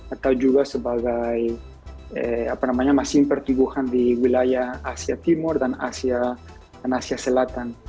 atau juga sebagai masing pertumbuhan di wilayah asia timur dan asia selatan